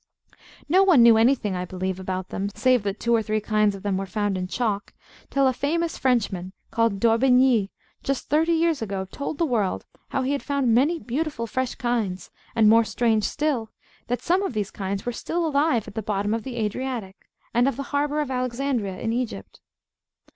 No one knew anything, I believe, about them, save that two or three kinds of them were found in chalk, till a famous Frenchman, called D'Orbigny, just thirty years ago, told the world how he had found many beautiful fresh kinds; and, more strange still, that some of these kinds were still alive at the bottom of the Adriatic, and of the harbour of Alexandria, in Egypt.